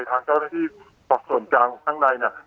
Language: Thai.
ทางเจ้าหน้าที่ส่วนกลางข้างในเนี่ย